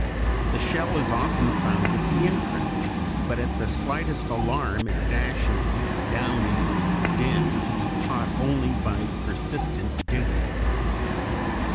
The shell is often found at the entrance, but at the slightest alarm it dashes deep down into its den, to be caught only by persistent digging.